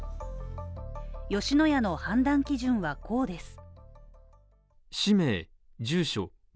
吉野家の判断基準はこうです。